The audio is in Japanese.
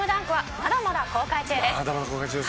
まだまだ公開中ですね。